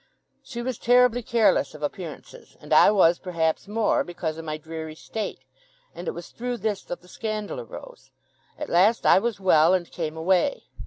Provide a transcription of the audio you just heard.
She was terribly careless of appearances, and I was perhaps more, because o' my dreary state; and it was through this that the scandal arose. At last I was well, and came away.